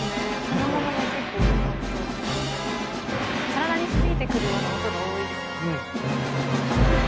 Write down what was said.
体に響いてくるような音が多いですよね。